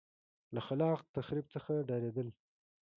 له خلاق تخریب څخه ډارېدل.